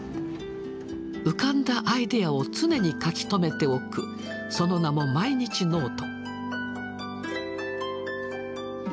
浮かんだアイデアを常に書き留めておくその名も「毎日ノート」。